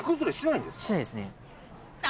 しないですね。